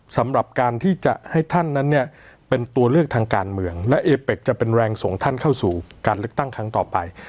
สำหรับการที่จะให้ท่านนั้นเนี่ยเป็นตัวเลือกทางการเมืองและเอเป็กจะเป็นแรงส่งท่านเข้าสู่การเลือกตั้งครั้งต่อไป